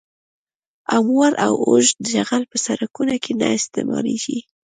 هموار او اوږد جغل په سرکونو کې نه استعمالیږي